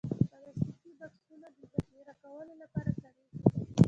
پلاستيکي بکسونه د ذخیره کولو لپاره کارېږي.